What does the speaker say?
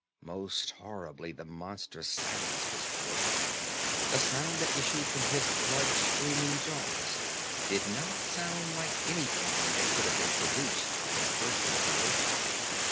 Most horribly the monster's silence was broken. The sounds that issued from his blood streaming jaws did not sound like anything that could have been produced by an earthly creation.